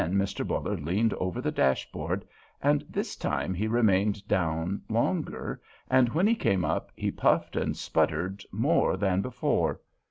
Again Mr. Buller leaned over the dashboard, and this time he remained down longer, and when he came up he puffed and sputtered more than before.